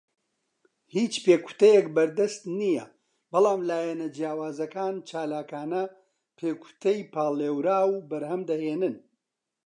هیچ پێکوتەیەک بەردەست نییە، بەڵام لایەنە جیاوازەکان چالاکانە پێکوتەی پاڵێوراو بەرهەم دەهێنن.